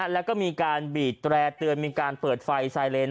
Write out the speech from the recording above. แล้วก็มีการบีดแตร่เตือนมีการเปิดไฟไซเลน